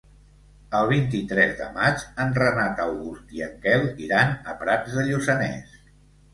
El vint-i-tres de maig en Renat August i en Quel iran a Prats de Lluçanès.